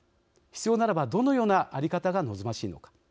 必要ならばどのような在り方が望ましいのか。